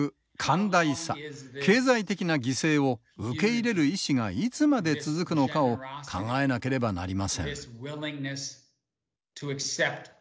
寛大さ経済的な犠牲を受け入れる意志がいつまで続くのかを考えなければなりません。